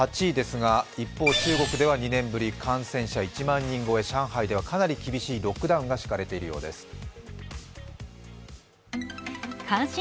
８位ですが、一方、中国では２年ぶり感染者１万人超え上海ではかなり厳しいロックダウンが敷かれているようです。